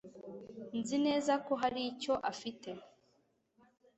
Nzi neza ko hari icyo afite